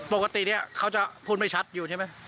ปกติเนี่ยเขาจะพูดไม่ชัดอยู่ใช่ไหม